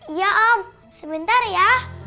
iya om sebentar ya